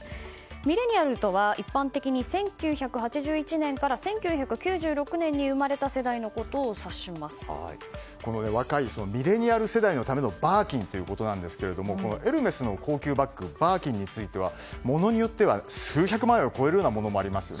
ミレニアルとは、一般的に１９８１年から１９９６年に若いミレニアル世代のためのバーキンということですがエルメスの高級バッグバーキンについてはものによっては数百万円を超えるようなものもあります。